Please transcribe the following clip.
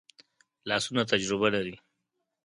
لاسونه تجربه لري